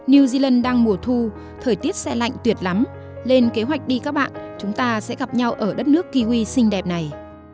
new zealand đang mùa thu thời tiết xe lạnh tuyệt lắm lên kế hoạch đi các bạn chúng ta sẽ gặp nhau ở đất nước kiwi xinh đẹp này